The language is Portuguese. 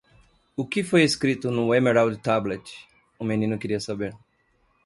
"O que foi escrito no Emerald Tablet?" o menino queria saber.